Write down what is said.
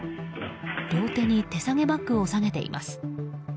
両手に手提げバッグを提げています。